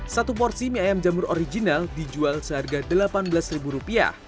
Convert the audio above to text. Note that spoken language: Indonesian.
satu porsi mie ayam jamur original dijual seharga rp delapan belas